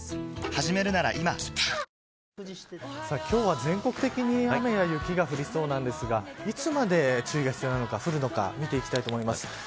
今日は全国的に雨や雪が降りそうなんですがいつまで注意が必要なのか見ていきたいと思います。